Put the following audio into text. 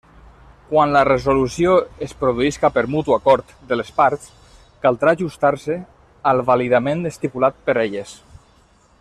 Quan la resolució es produïsca per mutu acord de les parts, caldrà ajustar-se al vàlidament estipulat per elles.